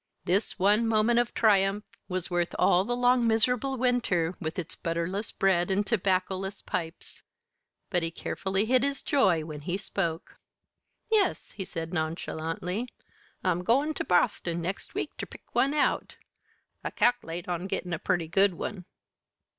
This one moment of triumph was worth all the long miserable winter with its butterless bread and tobaccoless pipes. But he carefully hid his joy when he spoke. "Yes," he said nonchalantly. "I'm goin' ter Boston next week ter pick one out. I cal'late on gettin' a purty good one."